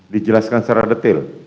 dijelaskan secara detil